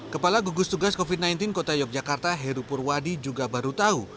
kepala gugus tugas covid sembilan belas kota yogyakarta heru purwadi juga baru tahu